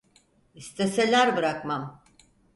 İsteseler bırakmam!